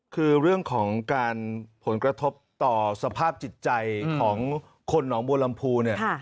คือเรื่องของการผลกระทบต่อสภาพจิตใจของคนหนองบัวลำพูเนี่ย